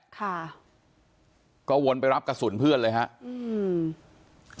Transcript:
ค่ะก็วนไปรับกระสุนเพื่อนเลยฮะอืม